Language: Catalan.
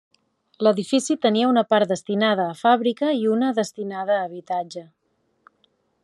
L'edifici tenia una part destinada a fàbrica i una destinada a habitatge.